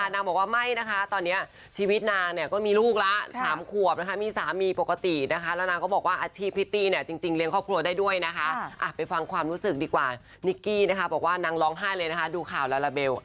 นิกกี้นะคะบอกว่านางร้องไห้เลยนะคะดูข่าวแล้วละเบล